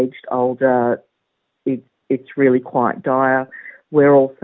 tidak kira apakah anda adalah orang muda